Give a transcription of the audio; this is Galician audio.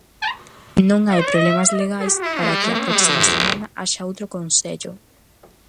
Non hai problemas legais para que a próxima semana haxa outro consello.